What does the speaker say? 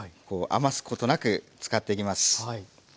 余すことなく使っていきます。